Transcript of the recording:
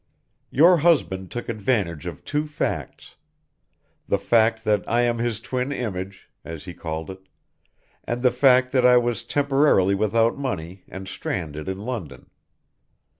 "Your husband took advantage of two facts: the fact that I am his twin image, as he called it, and the fact that I was temporarily without money and stranded in London.